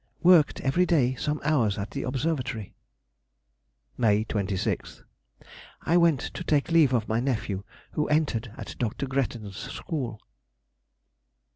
Worked every day some hours at the Observatory. May 26th.—I went to take leave of my nephew, who entered at Dr. Gretton's School.